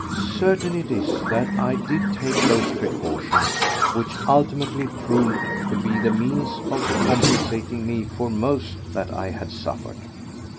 Certain it is that I did take those precautions which ultimately proved to be the means of compensating me for most that I had suffered.